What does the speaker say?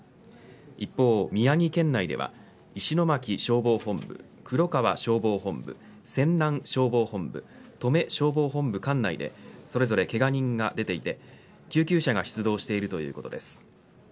一方、宮城県内では石巻消防本部黒川消防本部泉南消防本部登米消防本部管内でそれぞれけが人が出ていて救急車が出動しているということです。